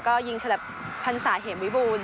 ก็ยิงฉลับพันศาเหมวิบูรณ